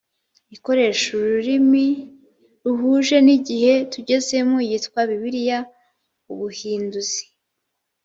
ikoresha ururimi ruhuje n igihe tugezemo yitwa bibiliya ubuhinduzi